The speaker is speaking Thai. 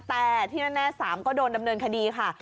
แต่ที่แน่๓ก็โดนดำเนินคดีค่ะ